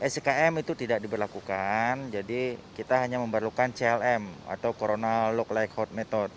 sikm itu tidak diberlakukan jadi kita hanya memerlukan clm atau corona lock like hot metode